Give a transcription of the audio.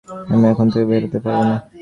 আমি এখান থেকে বের হতে পারবো না।